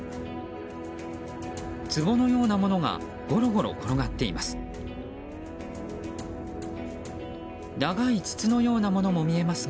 つぼのようなものがゴロゴロ転がっています。